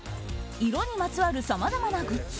色にまつわるさまざまなグッズ